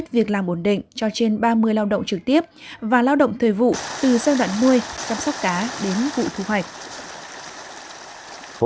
việc làm ổn định cho trên ba mươi lao động trực tiếp và lao động thời vụ từ giai đoạn nuôi chăm sóc cá đến vụ thu hoạch